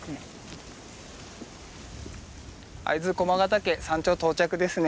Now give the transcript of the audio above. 会津駒ヶ岳山頂到着ですね。